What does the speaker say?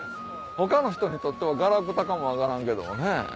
他の人にとってはガラクタかも分からんけどもね。